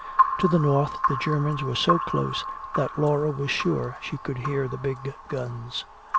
To the north the Germans were so close that Laura was sure she could hear the big guns.